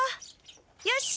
よし！